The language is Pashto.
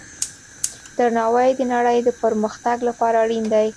درناوی د نړۍ د پرمختګ لپاره اړین دی.